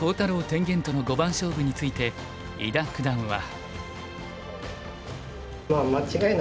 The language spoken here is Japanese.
天元との五番勝負について伊田九段は。